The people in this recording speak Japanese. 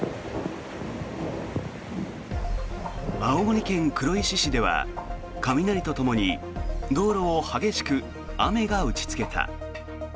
青森県黒石市では雷とともに道路を激しく雨が打ちつけた。